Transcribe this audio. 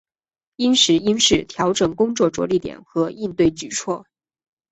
因时因势调整工作着力点和应对举措